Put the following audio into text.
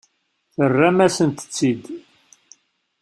Terram-asent-tt-id.